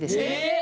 え！